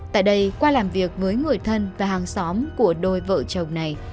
tại đây qua làm việc với người thân và hàng xóm của đôi vợ chồng này